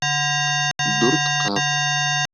Дүрт ҡыҙ.